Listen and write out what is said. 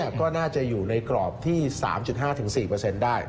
ก็น่าจะอยู่ในกรอบที่๓๕๔ได้